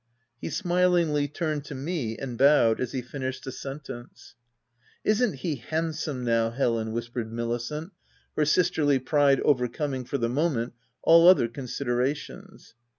He smilingly turned to me and bowed as he finished the sentence. " Isn't he handsome now Helen V whispered Milicent, her sisterly pride overcoming, for the moment, all other considerations.